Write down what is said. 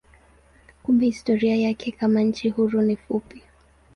Kumbe historia yake kama nchi huru ni fupi.